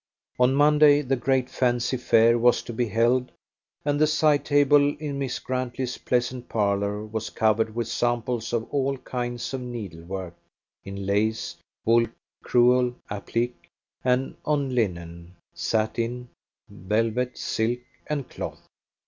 On Monday the great fancy fair was to be held, and the side table in Miss Grantley's pleasant parlour was covered with samples of all kinds of needle work, in lace, wool, crewel, applique, and on linen, satin, velvet, silk, and cloth.